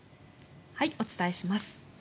お伝えします。